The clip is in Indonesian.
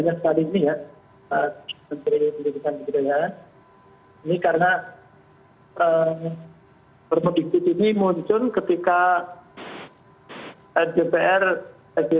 assalamualaikum merahmatullah ibu barakatuh